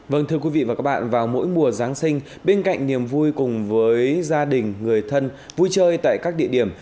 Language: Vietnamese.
vâng thưa quý vị và các bạn vào mỗi mùa giáng sinh bên cạnh niềm vui cùng với gia đình người thân vui chơi tại các địa điểm